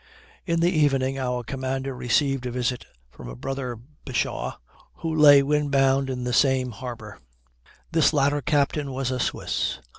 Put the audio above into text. In the evening our commander received a visit from a brother bashaw, who lay wind bound in the same harbor. This latter captain was a Swiss.